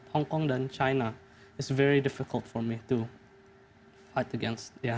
hong kong dan china sangat sulit untuk saya untuk melawan